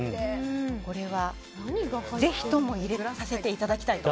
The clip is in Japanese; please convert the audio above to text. これは、ぜひとも入れさせていただきたいと。